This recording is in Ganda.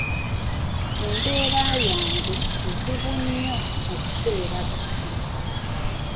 Embeera yange nzibu nnyo mu biseera bino.